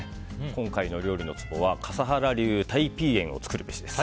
今回の料理のツボは笠原流タイピーエンを作るべしです。